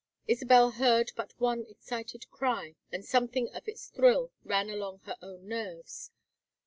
Isabel heard but one excited cry, and something of its thrill ran along her own nerves.